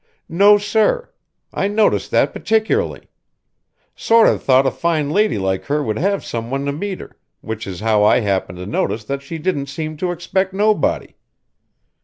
"No, sir. I noticed that particularly. Sort of thought a fine lady like her would have some one to meet her, which is how I happened to notice that she didn't seem to expect nobody.